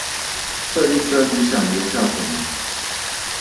這一生你想留下什麼？